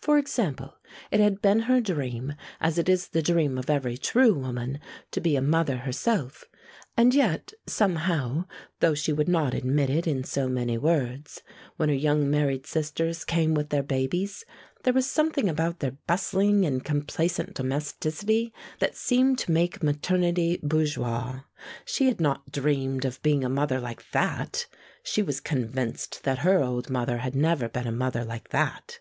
For example, it had been her dream, as it is the dream of every true woman, to be a mother herself: and yet, somehow though she would not admit it in so many words when her young married sisters came with their babies, there was something about their bustling and complacent domesticity that seemed to make maternity bourgeois. She had not dreamed of being a mother like that. She was convinced that her old mother had never been a mother like that.